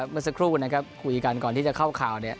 เป็นสักครู่กันนะครับคุยกันก่อนที่จะเข้าข่าว